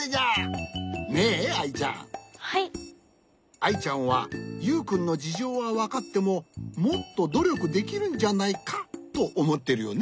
アイちゃんはユウくんのじじょうはわかってももっとどりょくできるんじゃないかとおもってるよね。